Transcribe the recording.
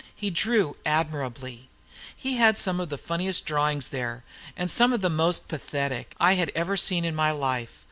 He drew admirably. He had some of the funniest drawings there, and some of the most pathetic, that I have ever seen in my life.